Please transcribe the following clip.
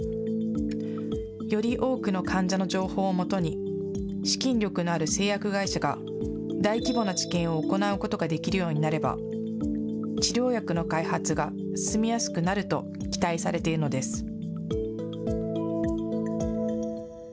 より多くの患者の情報をもとに、資金力のある製薬会社が、大規模な治験を行うことができるようになれば、治療薬の開発が進みやすくなると期待されているのです。